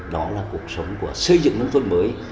đó là cuộc sống của xây dựng nông thuận mới